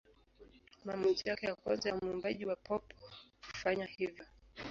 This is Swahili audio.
Maamuzi yake ya kwanza ya mwimbaji wa pop kufanya hivyo.